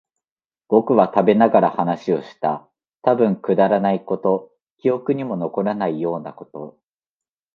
僕らは食べながら話をした。たぶんくだらないこと、記憶にも残らないようなこと。